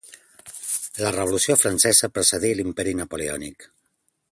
La Revolució Francesa precedí l'imperi napoleònic.